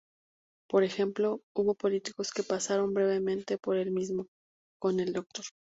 Por ejemplo: hubo políticos que pasaron brevemente por el mismo, como el Dr.